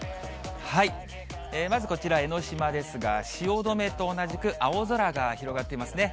まずこちら、江の島ですが、汐留と同じく青空が広がっていますね。